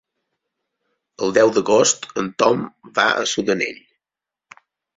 El deu d'agost en Tom va a Sudanell.